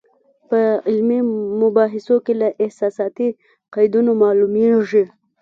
په علمي مباحثو کې له احساساتي قیدونو معلومېږي.